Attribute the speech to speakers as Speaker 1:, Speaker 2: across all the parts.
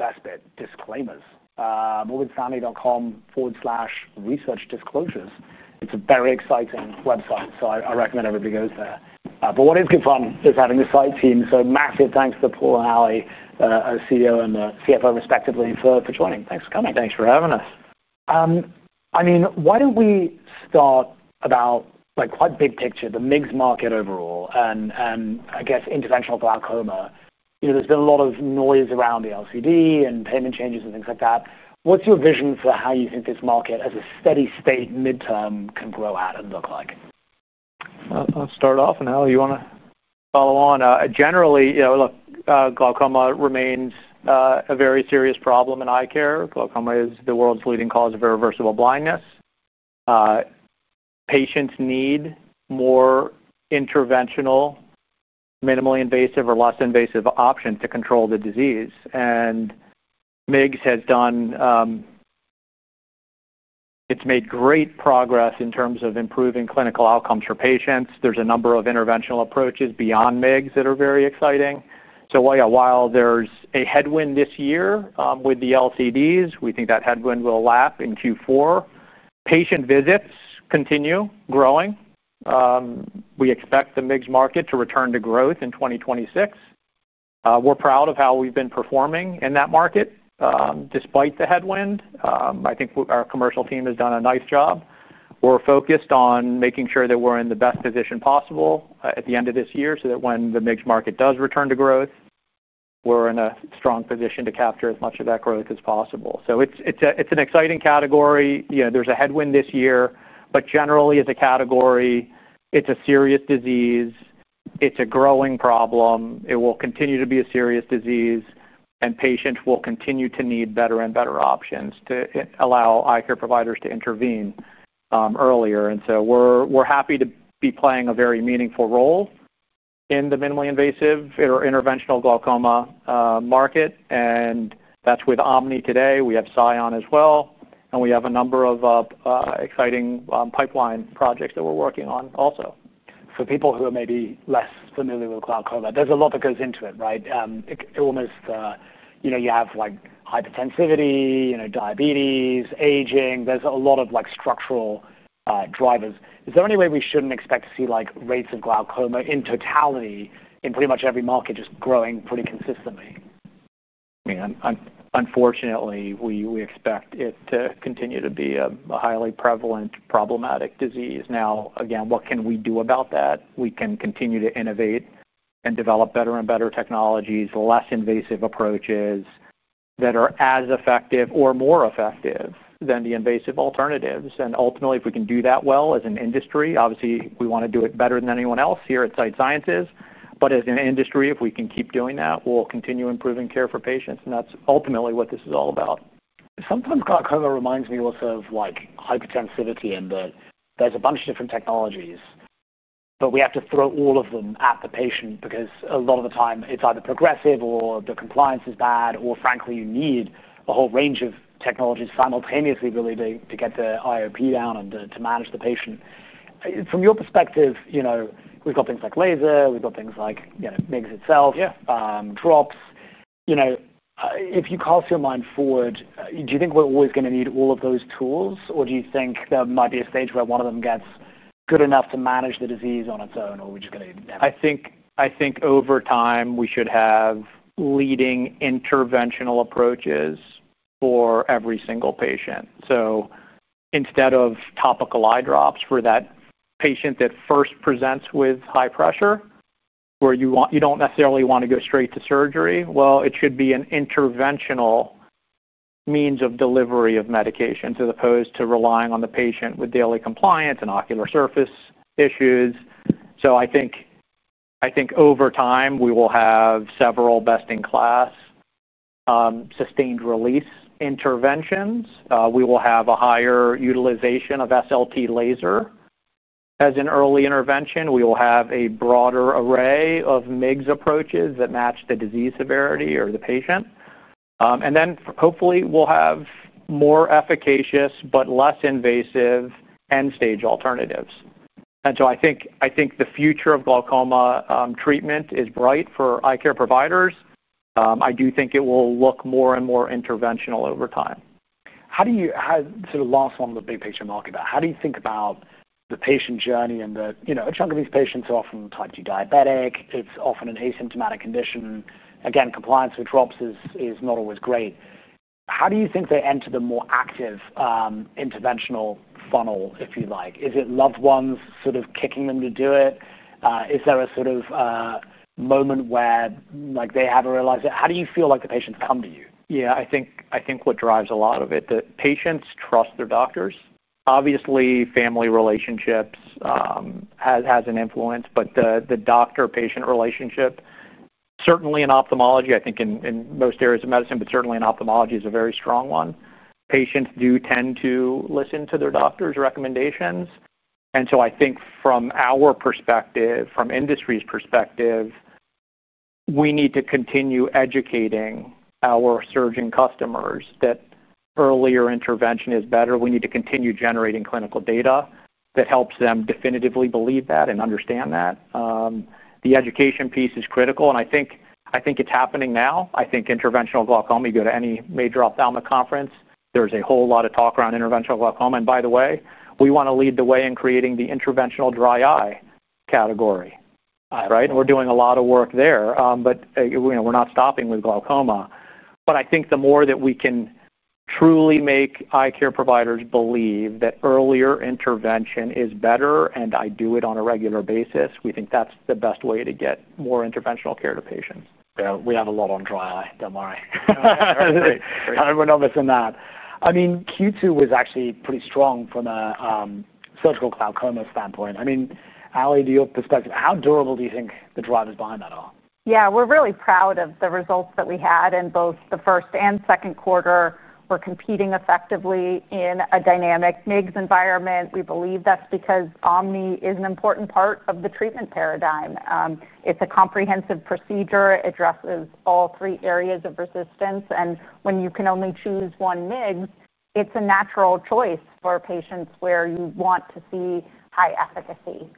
Speaker 1: The best bit, disclaimers. Multistudy.com/research-disclosures. It's a very exciting website, so I recommend everybody goes there. What is good fun is having the Sight team. Massive thanks to Paul and Ali, our CEO and CFO respectively, for joining. Thanks for coming.
Speaker 2: Thanks for having us.
Speaker 1: Why don't we start about quite big picture, the MIGS market overall? I guess interventional glaucoma, there's been a lot of noise around the LCD and payment changes and things like that. What's your vision for how you think this market as a steady state midterm can grow at and look like?
Speaker 2: I'll start off, and Ali, you want to follow on? Generally, you know, look, glaucoma remains a very serious problem in eye care. Glaucoma is the world's leading cause of irreversible blindness. Patients need more interventional, minimally invasive or less invasive options to control the disease. MIGS has done, it's made great progress in terms of improving clinical outcomes for patients. There's a number of interventional approaches beyond MIGS that are very exciting. While there's a headwind this year with the LCDs, we think that headwind will lap in Q4. Patient visits continue growing. We expect the MIGS market to return to growth in 2026. We're proud of how we've been performing in that market despite the headwind. I think our commercial team has done a nice job. We're focused on making sure that we're in the best position possible at the end of this year so that when the MIGS market does return to growth, we're in a strong position to capture as much of that growth as possible. It's an exciting category. You know, there's a headwind this year, but generally as a category, it's a serious disease. It's a growing problem. It will continue to be a serious disease, and patients will continue to need better and better options to allow eye care providers to intervene earlier. We're happy to be playing a very meaningful role in the minimally invasive or interventional glaucoma market. That's with OMNI today. We have SION as well, and we have a number of exciting pipeline projects that we're working on also.
Speaker 1: For people who are maybe less familiar with glaucoma, there's a lot that goes into it, right? Illness, you know, you have like hypertensivity, you know, diabetes, aging. There's a lot of structural drivers. Is there any way we shouldn't expect to see rates of glaucoma in totality in pretty much every market just growing pretty consistently?
Speaker 2: I mean, unfortunately, we expect it to continue to be a highly prevalent, problematic disease. Now, again, what can we do about that? We can continue to innovate and develop better and better technologies, less invasive approaches that are as effective or more effective than the invasive alternatives. Ultimately, if we can do that well as an industry, obviously we want to do it better than anyone else here at Sight Sciences. If we can keep doing that, we'll continue improving care for patients. That's ultimately what this is all about.
Speaker 1: Sometimes glaucoma reminds me also of hypertensivity in that there's a bunch of different technologies, but we have to throw all of them at the patient because a lot of the time it's either progressive or the compliance is bad, or frankly you need a whole range of technologies simultaneously to really get the IOP down and to manage the patient. From your perspective, we've got things like laser, we've got things like MIGS itself, drops. If you cast your mind forward, do you think we're always going to need all of those tools or do you think there might be a stage where one of them gets good enough to manage the disease on its own or we're just going to never?
Speaker 2: I think over time we should have leading interventional approaches for every single patient. Instead of topical eye drops for that patient that first presents with high pressure, where you don't necessarily want to go straight to surgery, it should be an interventional means of delivery of medications as opposed to relying on the patient with daily compliance and ocular surface issues. I think over time we will have several best-in-class sustained release interventions. We will have a higher utilization of SLT laser as an early intervention. We will have a broader array of MIGS approaches that match the disease severity or the patient. Hopefully, we'll have more efficacious but less invasive end-stage alternatives. I think the future of glaucoma treatment is bright for eye care providers. I do think it will look more and more interventional over time.
Speaker 1: How do you, sort of last one of the big patient market, how do you think about the patient journey and the, you know, a chunk of these patients are often type 2 diabetic, it's often an asymptomatic condition. Compliance with drops is not always great. How do you think they enter the more active interventional funnel, if you like? Is it loved ones sort of kicking them to do it? Is there a sort of moment where they have to realize it? How do you feel like the patients come to you?
Speaker 2: Yeah, I think what drives a lot of it is the patients trust their doctors. Obviously, family relationships have an influence, but the doctor-patient relationship, certainly in ophthalmology, I think in most areas of medicine, but certainly in ophthalmology, is a very strong one. Patients do tend to listen to their doctor's recommendations. I think from our perspective, from industry's perspective, we need to continue educating our surgeon customers that earlier intervention is better. We need to continue generating clinical data that helps them definitively believe that and understand that. The education piece is critical, and I think it's happening now. I think interventional glaucoma, you go to any major ophthalmic conference, there's a whole lot of talk around interventional glaucoma. By the way, we want to lead the way in creating the interventional dry eye category, right? We're doing a lot of work there, but we're not stopping with glaucoma. I think the more that we can truly make eye care providers believe that earlier intervention is better and I do it on a regular basis, we think that's the best way to get more interventional care to patients.
Speaker 1: Yeah, we have a lot on dry eye, don't worry. I'm anonymous in that. Q2 was actually pretty strong from a surgical glaucoma standpoint. Ali, do you have a perspective? How durable do you think the drive is behind that all?
Speaker 3: Yeah, we're really proud of the results that we had in both the first and second quarter. We're competing effectively in a dynamic MIGS environment. We believe that's because OMNI is an important part of the treatment paradigm. It's a comprehensive procedure, addresses all three areas of resistance. When you can only choose one MIGS, it's a natural choice for patients where you want to see high efficacy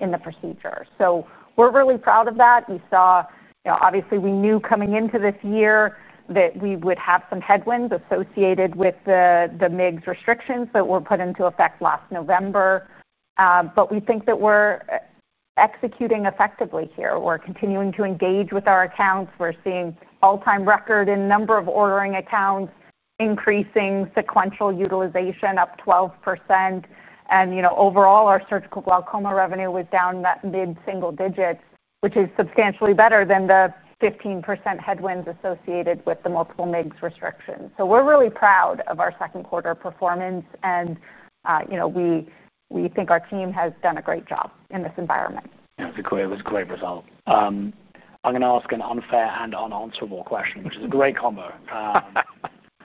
Speaker 3: in the procedure. We're really proud of that. We saw, obviously we knew coming into this year that we would have some headwinds associated with the MIGS restrictions that were put into effect last November. We think that we're executing effectively here. We're continuing to engage with our accounts. We're seeing all-time record in number of ordering accounts, increasing sequential utilization up 12%. Overall, our surgical glaucoma revenue was down mid-single digits, which is substantially better than the 15% headwinds associated with the multiple MIGS restrictions. We're really proud of our second quarter performance. We think our team has done a great job in this environment.
Speaker 1: It was a great result. I'm going to ask an unfair and unanswerable question, which is a great combo.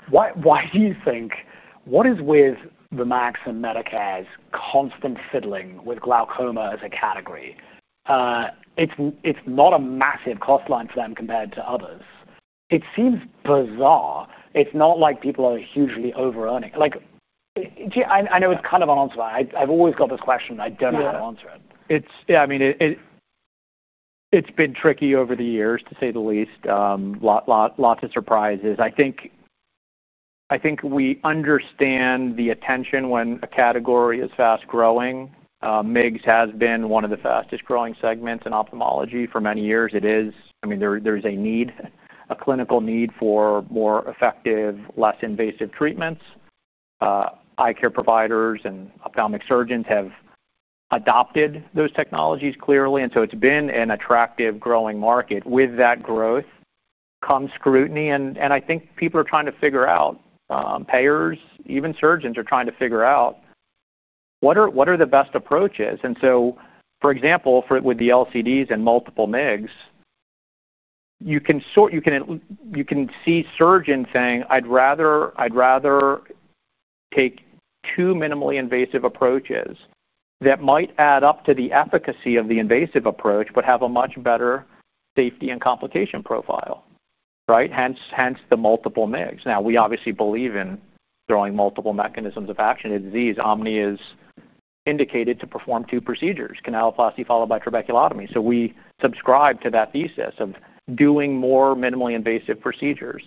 Speaker 1: Why do you think, what is with the MACs and Medicare's constant fiddling with glaucoma as a category? It's not a massive cost line for them compared to others. It seems bizarre. It's not like people are hugely over-earning. I know it's kind of unanswerable. I've always got this question. I don't know how to answer it.
Speaker 2: Yeah, I mean, it's been tricky over the years, to say the least. Lots of surprises. I think we understand the attention when a category is fast growing. MIGS has been one of the fastest growing segments in ophthalmology for many years. It is, I mean, there's a need, a clinical need for more effective, less invasive treatments. Eye care providers and ophthalmic surgeons have adopted those technologies clearly. It's been an attractive growing market. With that growth comes scrutiny. I think people are trying to figure out, payers, even surgeons are trying to figure out what are the best approaches. For example, with the LCDs and multiple MIGS, you can see surgeons saying, "I'd rather take two minimally invasive approaches that might add up to the efficacy of the invasive approach, but have a much better safety and complication profile." Right? Hence the multiple MIGS. We obviously believe in throwing multiple mechanisms of action. OMNI is indicated to perform two procedures, canaloplasty followed by trabeculotomy. We subscribe to that thesis of doing more minimally invasive procedures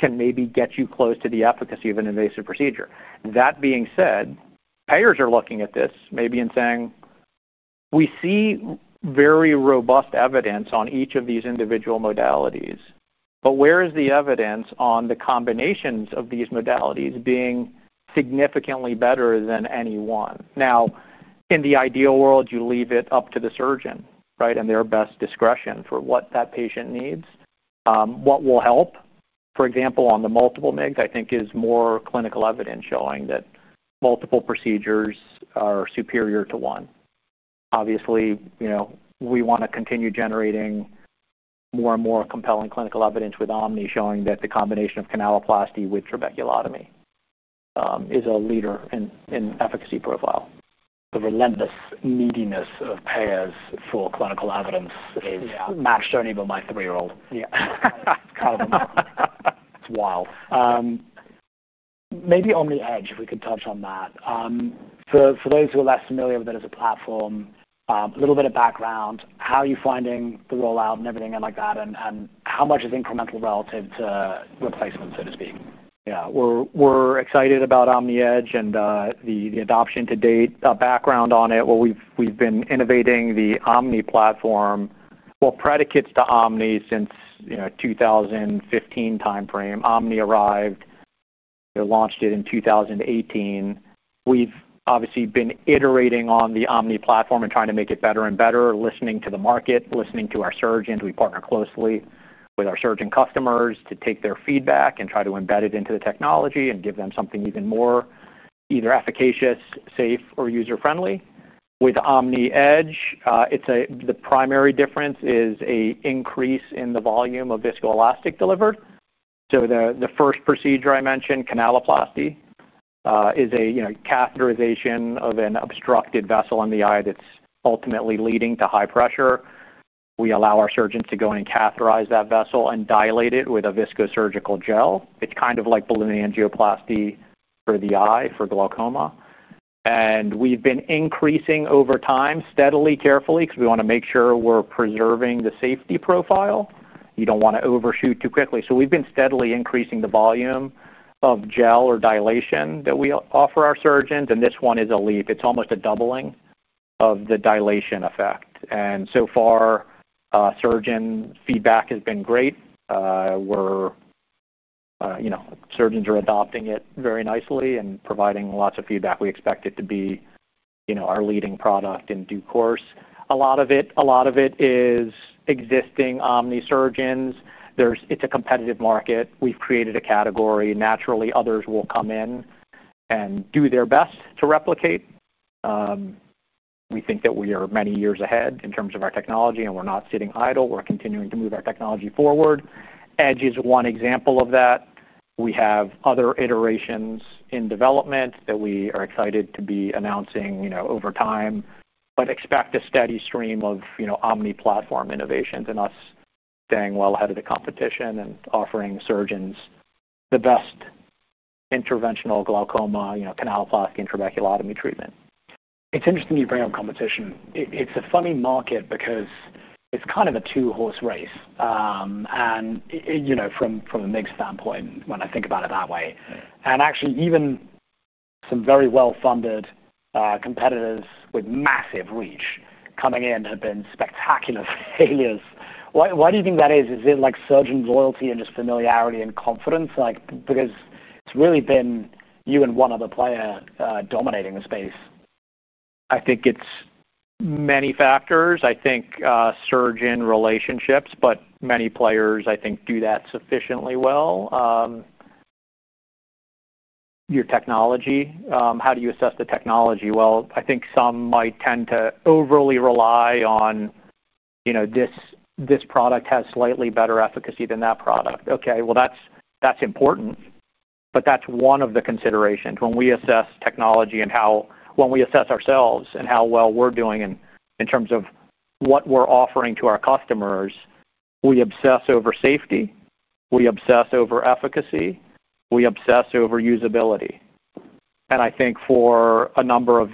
Speaker 2: can maybe get you close to the efficacy of an invasive procedure. That being said, payers are looking at this maybe and saying, "We see very robust evidence on each of these individual modalities. But where is the evidence on the combinations of these modalities being significantly better than any one?" In the ideal world, you leave it up to the surgeon, right, and their best discretion for what that patient needs, what will help. For example, on the multiple MIGS, I think there is more clinical evidence showing that multiple procedures are superior to one. Obviously, you know, we want to continue generating more and more compelling clinical evidence with OMNI showing that the combination of canaloplasty with trabeculotomy is a leader in efficacy profile.
Speaker 1: The relentless neediness of payers for clinical evidence is Max Schoenebeer, my three-year-old. Yeah, it's kind of wild. Maybe OMNI Edge, if we could touch on that. For those who are less familiar with it as a platform, a little bit of background, how are you finding the rollout and everything like that, and how much is incremental relative to replacement, so to speak?
Speaker 2: Yeah, we're excited about OMNI Edge and the adoption to date. Background on it, we've been innovating the OMNI platform. Predicates to OMNI since, you know, 2015 timeframe. OMNI arrived, launched it in 2018. We've obviously been iterating on the OMNI platform and trying to make it better and better, listening to the market, listening to our surgeons. We partner closely with our surgeon customers to take their feedback and try to embed it into the technology and give them something even more either efficacious, safe, or user-friendly. With OMNI Edge, the primary difference is an increase in the volume of viscoelastic delivered. The first procedure I mentioned, canaloplasty, is a catheterization of an obstructed vessel in the eye that's ultimately leading to high pressure. We allow our surgeons to go in and catheterize that vessel and dilate it with a viscosurgical gel. It's kind of like balloon angioplasty for the eye for glaucoma. We've been increasing over time steadily, carefully, because we want to make sure we're preserving the safety profile. You don't want to overshoot too quickly. We've been steadily increasing the volume of gel or dilation that we offer our surgeons. This one is a leap. It's almost a doubling of the dilation effect. So far, surgeon feedback has been great. Surgeons are adopting it very nicely and providing lots of feedback. We expect it to be, you know, our leading product in due course. A lot of it is existing OMNI surgeons. It's a competitive market. We've created a category. Naturally, others will come in and do their best to replicate. We think that we are many years ahead in terms of our technology, and we're not sitting idle. We're continuing to move our technology forward. Edge is one example of that. We have other iterations in development that we are excited to be announcing, you know, over time, but expect a steady stream of OMNI platform innovations and us staying well ahead of the competition and offering surgeons the best interventional glaucoma, you know, canaloplasty and trabeculotomy treatment.
Speaker 1: It's interesting you bring up competition. It's a funny market because it's kind of a two-horse race. From a MIGS standpoint, when I think about it that way, even some very well-funded competitors with massive reach coming in have been spectacular failures. Why do you think that is? Is it like surgeon loyalty and just familiarity and confidence? Because it's really been you and one other player dominating the space.
Speaker 2: I think it's many factors. I think surgeon relationships, but many players, I think, do that sufficiently well. Your technology, how do you assess the technology? Some might tend to overly rely on, you know, this product has slightly better efficacy than that product. That's important, but that's one of the considerations when we assess technology and how, when we assess ourselves and how well we're doing in terms of what we're offering to our customers. We obsess over safety, we obsess over efficacy, we obsess over usability. I think for a number of,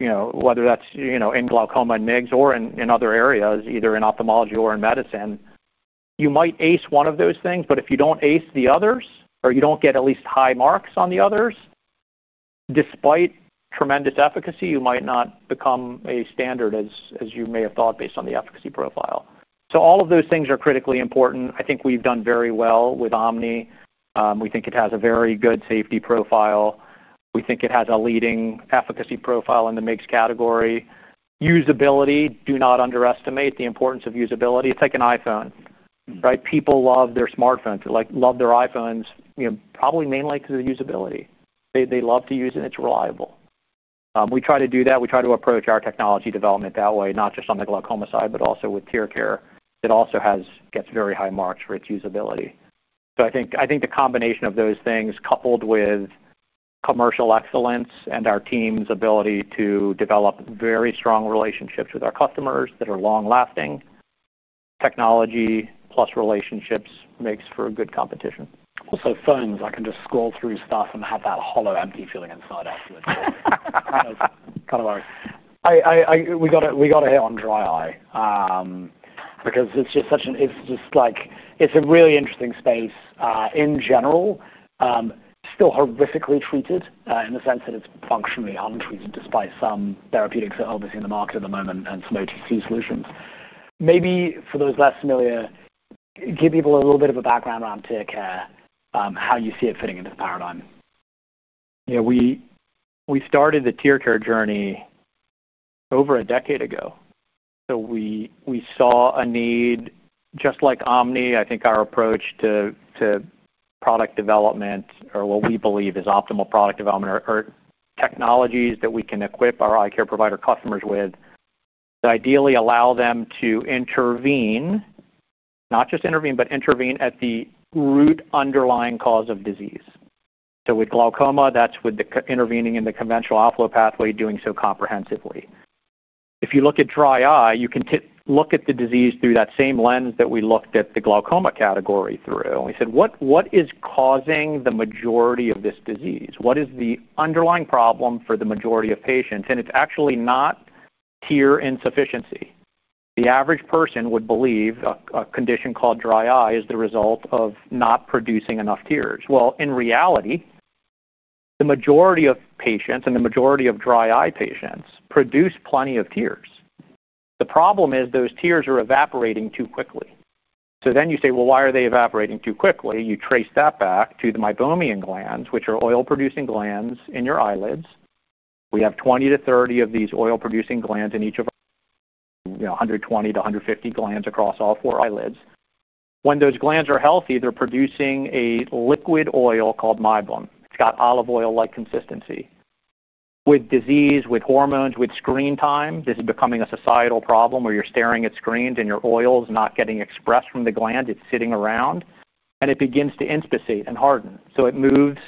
Speaker 2: you know, whether that's in glaucoma and MIGS or in other areas, either in ophthalmology or in medicine, you might ace one of those things, but if you don't ace the others or you don't get at least high marks on the others, despite tremendous efficacy, you might not become a standard as you may have thought based on the efficacy profile. All of those things are critically important. I think we've done very well with OMNI. We think it has a very good safety profile. We think it has a leading efficacy profile in the MIGS category. Usability, do not underestimate the importance of usability. It's like an iPhone, right? People love their smartphones, like love their iPhones, you know, probably mainly because of usability. They love to use it and it's reliable. We try to do that. We try to approach our technology development that way, not just on the glaucoma side, but also with TearCare that also gets very high marks for its usability. I think the combination of those things coupled with commercial excellence and our team's ability to develop very strong relationships with our customers that are long-lasting, technology plus relationships makes for a good competition.
Speaker 1: Also, phones, I can just scroll through stuff and have that hollow empty feeling inside afterwards. I don't know. We got to hit on dry eye because it's just such an, it's just like, it's a really interesting space in general, still horrifically treated in the sense that it's functionally untreated despite some therapeutics that are obviously in the market at the moment and some OTC solutions. Maybe for those less familiar, give people a little bit of a background around TearCare, how you see it fitting into the paradigm.
Speaker 2: Yeah, we started the TearCare journey over a decade ago. We saw a need, just like OMNI. I think our approach to product development, or what we believe is optimal product development, are technologies that we can equip our eye care provider customers with that ideally allow them to intervene, not just intervene, but intervene at the root underlying cause of disease. With glaucoma, that's intervening in the conventional outflow pathway, doing so comprehensively. If you look at dry eye, you can look at the disease through that same lens that we looked at the glaucoma category through. We said, what is causing the majority of this disease? What is the underlying problem for the majority of patients? It's actually not tear insufficiency. The average person would believe a condition called dry eye is the result of not producing enough tears. In reality, the majority of patients and the majority of dry eye patients produce plenty of tears. The problem is those tears are evaporating too quickly. You say, why are they evaporating too quickly? You trace that back to the meibomian glands, which are oil-producing glands in your eyelids. We have 20-30 of these oil-producing glands in each of, you know, 120-150 glands across all four eyelids. When those glands are healthy, they're producing a liquid oil called meibom, got olive oil-like consistency. With disease, with hormones, with screen time, this is becoming a societal problem where you're staring at screens and your oil is not getting expressed from the glands. It's sitting around and it begins to inspissate and harden. It moves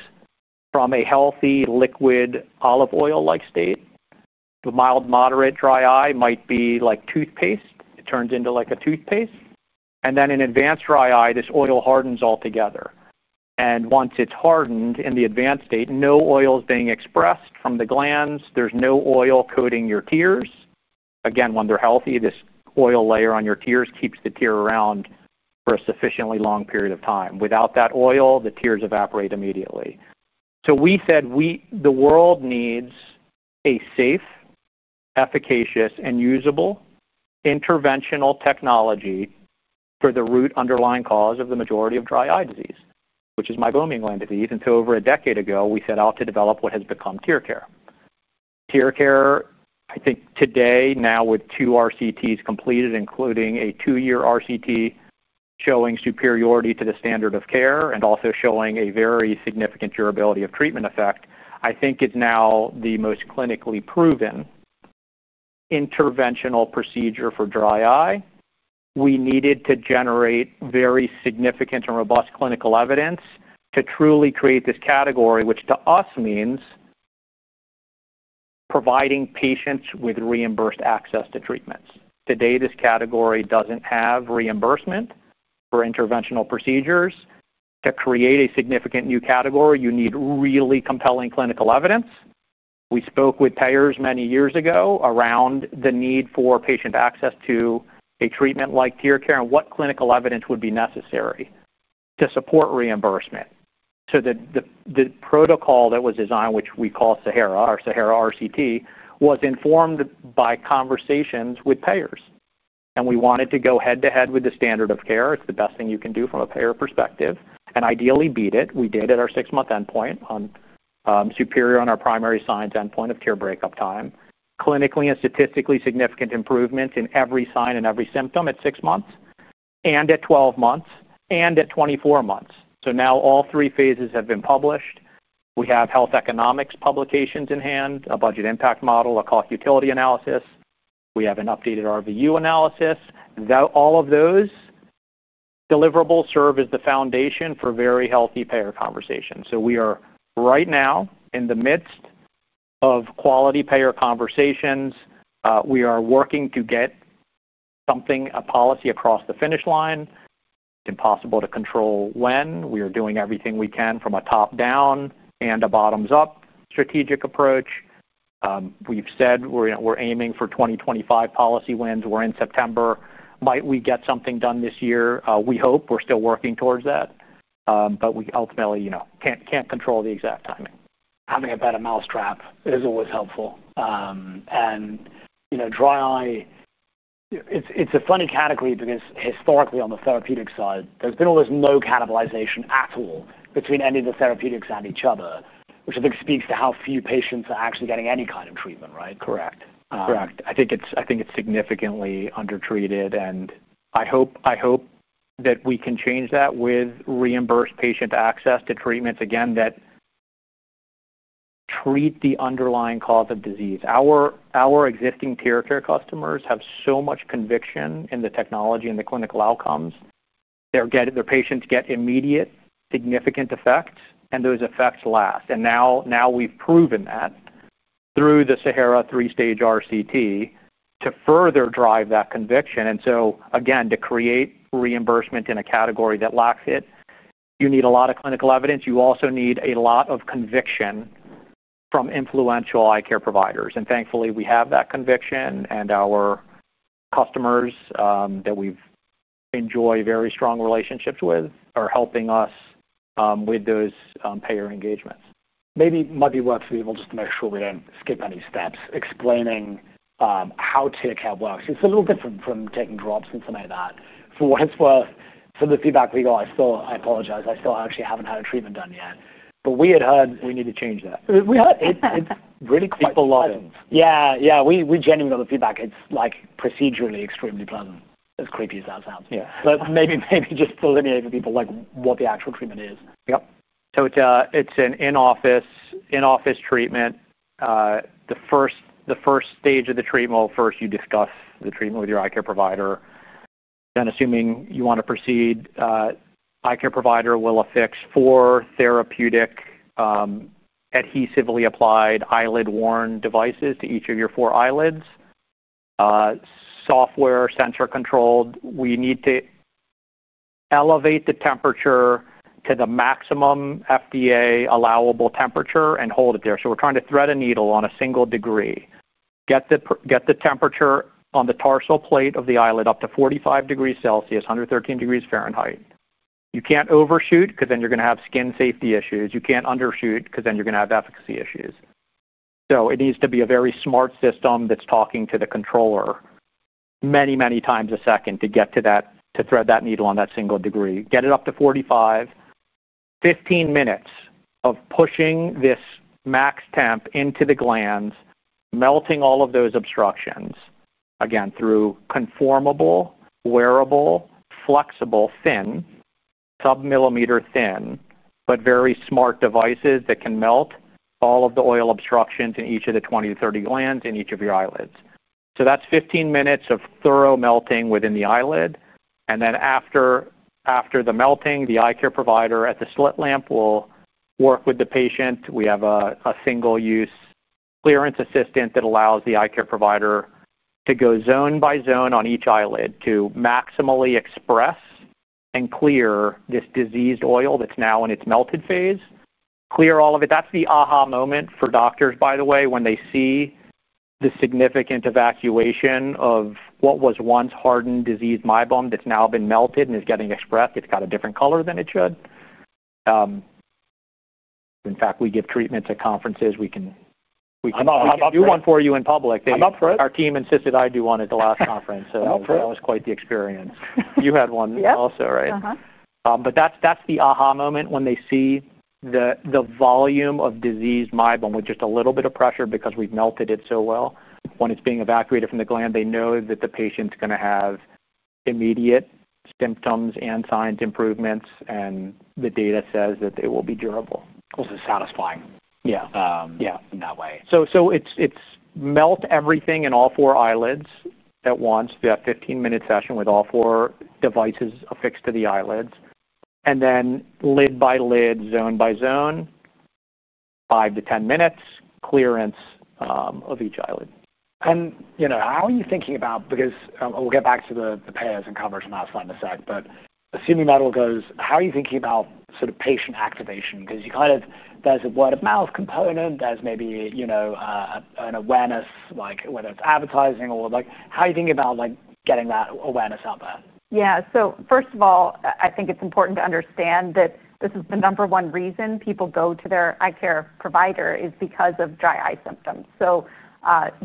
Speaker 2: from a healthy liquid olive oil-like state. The mild moderate dry eye might be like toothpaste. It turns into like a toothpaste. In advanced dry eye, this oil hardens altogether. Once it's hardened in the advanced state, no oil is being expressed from the glands. There's no oil coating your tears. When they're healthy, this oil layer on your tears keeps the tear around for a sufficiently long period of time. Without that oil, the tears evaporate immediately. We said the world needs a safe, efficacious, and usable interventional technology for the root underlying cause of the majority of dry eye disease, which is meibomian gland disease. Over a decade ago, we set out to develop what has become TearCare. TearCare, I think today, now with two RCTs completed, including a two-year RCT showing superiority to the standard of care and also showing a very significant durability of treatment effect, I think it's now the most clinically proven interventional procedure for dry eye. We needed to generate very significant and robust clinical evidence to truly create this category, which to us means providing patients with reimbursed access to treatments. Today, this category doesn't have reimbursement for interventional procedures. To create a significant new category, you need really compelling clinical evidence. We spoke with payers many years ago around the need for patient access to a treatment like TearCare and what clinical evidence would be necessary to support reimbursement. The protocol that was designed, which we call SAHARA, our SAHARA RCT, was informed by conversations with payers. We wanted to go head-to-head with the standard of care. It's the best thing you can do from a payer perspective. Ideally, beat it. We did at our six-month endpoint, superior on our primary signs endpoint of tear breakup time. Clinically and statistically significant improvements in every sign and every symptom at six months and at 12 months and at 24 months. Now all three phases have been published. We have health economics publications in hand, a budget impact model, a cost utility analysis. We have an updated RVU analysis. All of those deliverables serve as the foundation for very healthy payer conversations. We are right now in the midst of quality payer conversations. We are working to get something, a policy across the finish line. It's impossible to control when. We are doing everything we can from a top-down and a bottoms-up strategic approach. We've said we're aiming for 2025 policy wins. We're in September. Might we get something done this year? We hope. We're still working towards that. We ultimately, you know, can't control the exact timing.
Speaker 1: Having a better mousetrap is always helpful. Dry eye, it's a funny category because historically on the therapeutic side, there's been almost no cannibalization at all between any of the therapeutics and each other, which I think speaks to how few patients are actually getting any kind of treatment, right?
Speaker 2: Correct. Correct. I think it's significantly undertreated. I hope that we can change that with reimbursed patient access to treatments, again, that treat the underlying cause of disease. Our existing TearCare customers have so much conviction in the technology and the clinical outcomes. Their patients get immediate, significant effects, and those effects last. We have proven that through the SAHARA three-stage RCT to further drive that conviction. To create reimbursement in a category that lacks it, you need a lot of clinical evidence. You also need a lot of conviction from influential eye care providers. Thankfully, we have that conviction, and our customers that we enjoy very strong relationships with are helping us with those payer engagements.
Speaker 1: Maybe it might be worth for people just to make sure we don't skip any steps explaining how TearCare works. It's a little different from taking drops and something like that. For what it's worth, from the feedback we got, I still, I apologize, I still actually haven't had a treatment done yet. We had heard.
Speaker 2: We need to change that.
Speaker 1: We heard it's really creepy. Yeah, we genuinely got the feedback. It's like procedurally extremely pleasant, as creepy as that sounds. Yeah, maybe just delineate for people what the actual treatment is.
Speaker 2: Yep. It's an in-office treatment. The first stage of the treatment, first you discuss the treatment with your eye care provider. Assuming you want to proceed, the eye care provider will affix four therapeutic, adhesively applied, eyelid-worn devices to each of your four eyelids, software sensor controlled. We need to elevate the temperature to the maximum FDA allowable temperature and hold it there. We're trying to thread a needle on a single degree. Get the temperature on the tarsal plate of the eyelid up to 45 degrees Celsius, 113 degrees Fahrenheit. You can't overshoot because then you're going to have skin safety issues. You can't undershoot because then you're going to have efficacy issues. It needs to be a very smart system that's talking to the controller many, many times a second to get to that, to thread that needle on that single degree. Get it up to 45. Fifteen minutes of pushing this max temp into the glands, melting all of those obstructions, again, through conformable, wearable, flexible, thin, sub-millimeter thin, but very smart devices that can melt all of the oil obstructions in each of the 20-30 glands in each of your eyelids. That's 15 minutes of thorough melting within the eyelid. After the melting, the eye care provider at the slit lamp will work with the patient. We have a single-use clearance assistant that allows the eye care provider to go zone by zone on each eyelid to maximally express and clear this diseased oil that's now in its melted phase. Clear all of it. That's the aha moment for doctors, by the way, when they see the significant evacuation of what was once hardened diseased meibom that's now been melted and is getting expressed. It's got a different color than it should. In fact, we give treatments at conferences. We can do one for you in public. Our team insisted I do one at the last conference. That was quite the experience. You had one also, right? That's the aha moment when they see the volume of diseased meibom with just a little bit of pressure because we've melted it so well. When it's being evacuated from the gland, they know that the patient's going to have immediate symptoms and signs improvements, and the data says that they will be durable.
Speaker 1: It's also satisfying.
Speaker 2: Yeah, in that way. It's melt everything in all four eyelids at once. You have a 15-minute session with all four devices affixed to the eyelids, and then lid by lid, zone by zone, five to ten minutes, clearance of each eyelid.
Speaker 1: How are you thinking about, because we'll get back to the payers and coverage and that side in a sec, but assuming that all goes, how are you thinking about sort of patient activation? You kind of, there's a word of mouth component, there's maybe an awareness, like whether it's advertising or like, how are you thinking about getting that awareness out there?
Speaker 3: Yeah, so first of all, I think it's important to understand that this is the number one reason people go to their eye care provider is because of dry eye symptoms.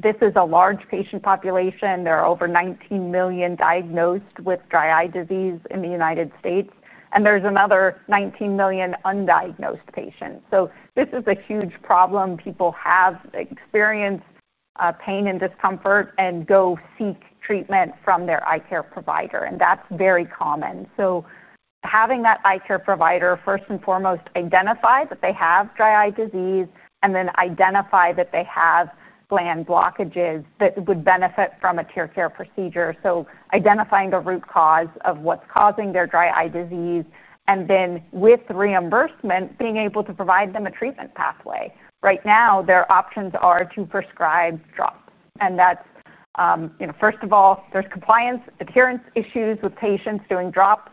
Speaker 3: This is a large patient population. There are over 19 million diagnosed with dry eye disease in the United States, and there's another 19 million undiagnosed patients. This is a huge problem. People have experienced pain and discomfort and go seek treatment from their eye care provider, and that's very common. Having that eye care provider first and foremost identify that they have dry eye disease and then identify that they have gland blockages that would benefit from a TearCare procedure, identifying the root cause of what's causing their dry eye disease and then with reimbursement, being able to provide them a treatment pathway. Right now, their options are to prescribe drops. That's, you know, first of all, there's compliance adherence issues with patients doing drops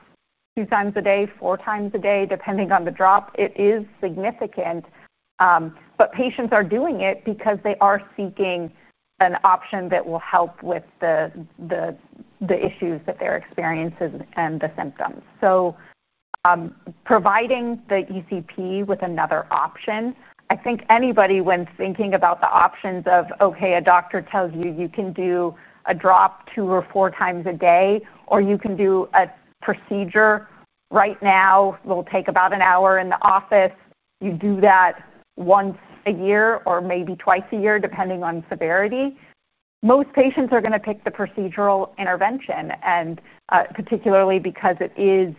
Speaker 3: two times a day, four times a day, depending on the drop. It is significant, but patients are doing it because they are seeking an option that will help with the issues that they're experiencing and the symptoms. Providing the ECP with another option, I think anybody when thinking about the options of, okay, a doctor tells you you can do a drop two or four times a day, or you can do a procedure right now, it'll take about an hour in the office. You do that once a year or maybe twice a year, depending on severity. Most patients are going to pick the procedural intervention, particularly because it is,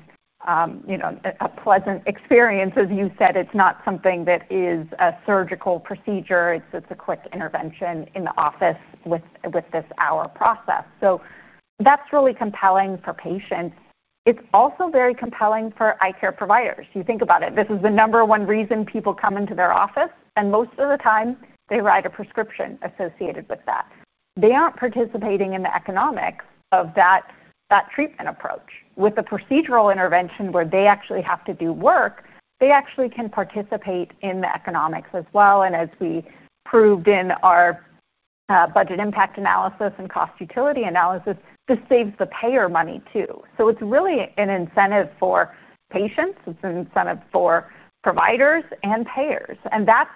Speaker 3: you know, a pleasant experience. As you said, it's not something that is a surgical procedure. It's a quick intervention in the office with this process. That's really compelling for patients. It's also very compelling for eye care providers. You think about it, this is the number one reason people come into their office, and most of the time they write a prescription associated with that. They aren't participating in the economics of that treatment approach. With the procedural intervention where they actually have to do work, they actually can participate in the economics as well. As we proved in our budget impact analysis and cost utility analysis, this saves the payer money too. It's really an incentive for patients, it's an incentive for providers and payers, and that's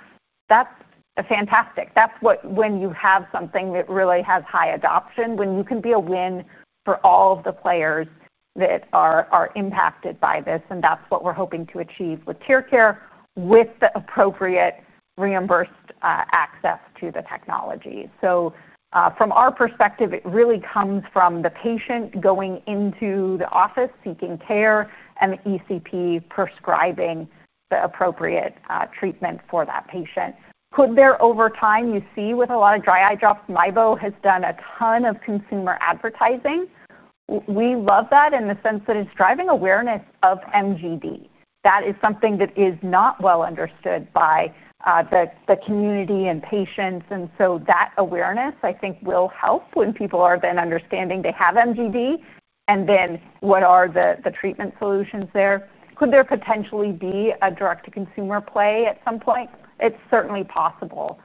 Speaker 3: fantastic. That's what happens when you have something that really has high adoption, when you can be a win for all of the players that are impacted by this. That's what we're hoping to achieve with TearCare with the appropriate reimbursed access to the technology. From our perspective, it really comes from the patient going into the office seeking care and the ECP prescribing the appropriate treatment for that patient. Over time, you see with a lot of dry eye drops, MIEBO has done a ton of consumer advertising. We love that in the sense that it's driving awareness of MGD. That is something that is not well understood by the community and patients. That awareness, I think, will help when people are then understanding they have MGD and then what are the treatment solutions there. There could potentially be a direct-to-consumer play at some point. It's certainly possible.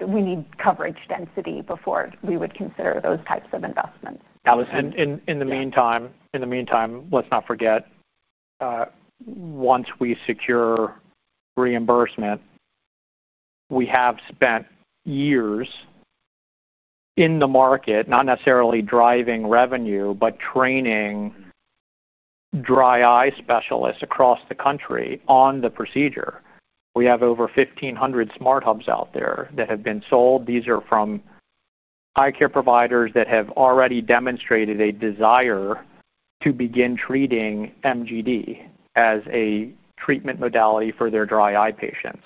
Speaker 3: We need coverage density before we would consider those types of investments.
Speaker 2: In the meantime, let's not forget, once we secure reimbursement, we have spent years in the market, not necessarily driving revenue, but training dry eye specialists across the country on the procedure. We have over 1,500 SmartHubs out there that have been sold. These are from eye care providers that have already demonstrated a desire to begin treating MGD as a treatment modality for their dry eye patients.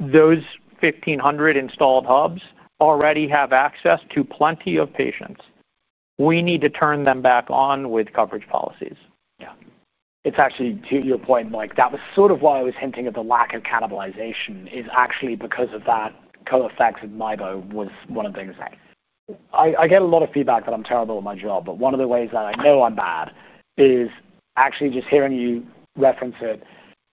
Speaker 2: Those 1,500 installed hubs already have access to plenty of patients. We need to turn them back on with coverage policies.
Speaker 1: Yeah. It's actually, to your point, like that was sort of why I was hinting at the lack of cannibalization is actually because of that co-effects of MIEBO was one of the things that I get a lot of feedback that I'm terrible at my job, but one of the ways that I know I'm bad is actually just hearing you reference it.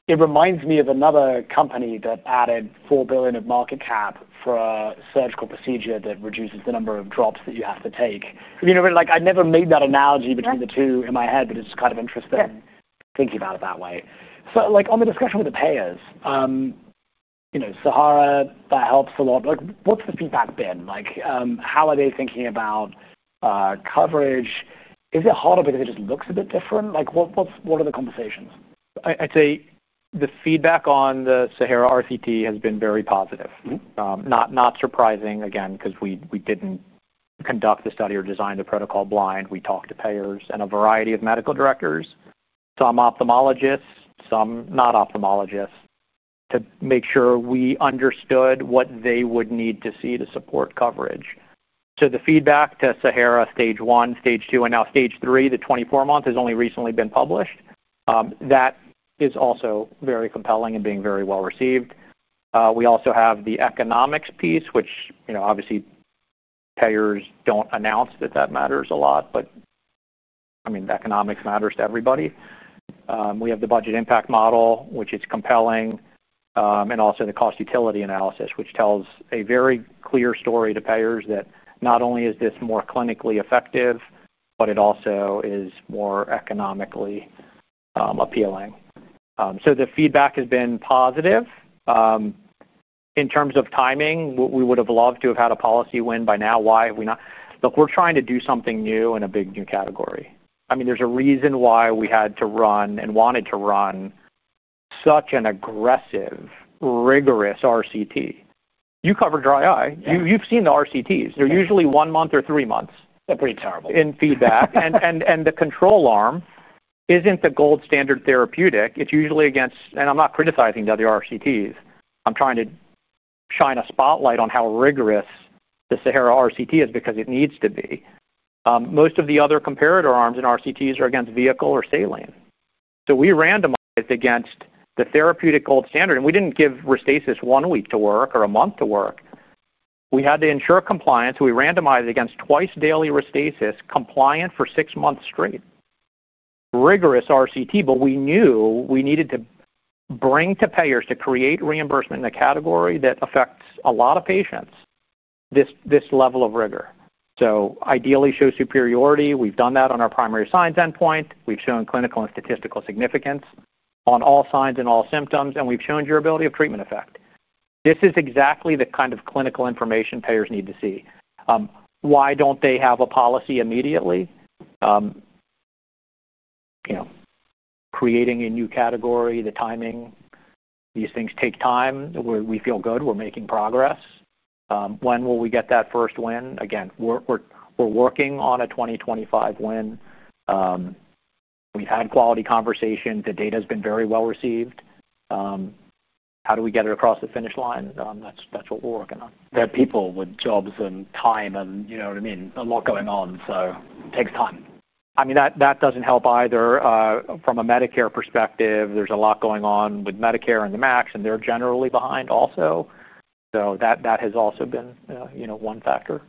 Speaker 1: It reminds me of another company that added $4 billion of market cap for a surgical procedure that reduces the number of drops that you have to take. I mean, I never made that analogy between the two in my head, but it's kind of interesting thinking about it that way. On the discussion with the payers, you know, SAHARA, that helps a lot. What's the feedback been? Like, how are they thinking about coverage? Is it harder because it just looks a bit different? What are the conversations?
Speaker 2: I'd say the feedback on the SAHARA RCT has been very positive. Not surprising, again, because we didn't conduct the study or design the protocol blind. We talked to payers and a variety of medical directors, some ophthalmologists, some not ophthalmologists, to make sure we understood what they would need to see to support coverage. The feedback to SAHARA stage one, stage two, and now stage three, the 24 months, has only recently been published. That is also very compelling and being very well received. We also have the economics piece, which, you know, obviously payers don't announce that that matters a lot, but I mean, the economics matters to everybody. We have the budget impact model, which is compelling, and also the cost utility analysis, which tells a very clear story to payers that not only is this more clinically effective, but it also is more economically appealing. The feedback has been positive. In terms of timing, we would have loved to have had a policy win by now. Why have we not? Look, we're trying to do something new in a big new category. There's a reason why we had to run and wanted to run such an aggressive, rigorous RCT. You cover dry eye. You've seen the RCTs. They're usually one month or three months.
Speaker 1: They're pretty terrible.
Speaker 2: In feedback. The control arm isn't the gold standard therapeutic. It's usually against, and I'm not criticizing the other RCTs. I'm trying to shine a spotlight on how rigorous the SAHARA RCT is because it needs to be. Most of the other comparator arms in RCTs are against vehicle or saline. We randomized against the therapeutic gold standard, and we didn't give Restasis one week to work or a month to work. We had to ensure compliance. We randomized against twice daily Restasis compliant for six months straight. Rigorous RCT, but we knew we needed to bring to payers to create reimbursement in a category that affects a lot of patients, this level of rigor. Ideally show superiority. We've done that on our primary science endpoint. We've shown clinical and statistical significance on all signs and all symptoms, and we've shown durability of treatment effect. This is exactly the kind of clinical information payers need to see. Why don't they have a policy immediately? Creating a new category, the timing, these things take time. We feel good. We're making progress. When will we get that first win? Again, we're working on a 2025 win. We've had quality conversation. The data has been very well received. How do we get it across the finish line? That's what we're working on.
Speaker 1: There are people with jobs and time, you know what I mean, a lot going on. It takes time.
Speaker 2: I mean, that doesn't help either. From a Medicare perspective, there's a lot going on with Medicare and the MACs, and they're generally behind also. That has also been, you know, one factor.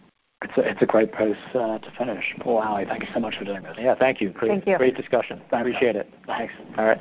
Speaker 1: It's a great place to finish. Ali, thank you so much for doing this.
Speaker 2: Yeah, thank you. Great discussion.
Speaker 3: Thank you.
Speaker 2: I appreciate it.
Speaker 1: Thanks. All right.